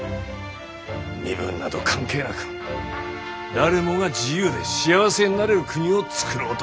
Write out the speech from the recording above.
身分など関係なく誰もが自由で幸せになれる国をつくろうとしたのだ。